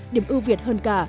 điểm ưu việt hơn cả